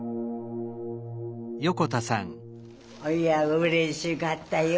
うれしかったよ。